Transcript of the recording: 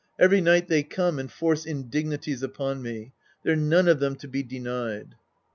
Every night they come and force indignities upon me. They're none of them to be denied.